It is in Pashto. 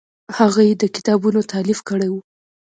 هغه یې د کتابونو تالیف کړی و.